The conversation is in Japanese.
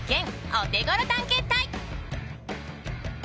オテゴロ探検隊。